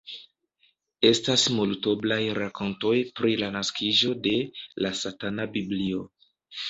Estas multoblaj rakontoj pri la naskiĝo de "La Satana Biblio.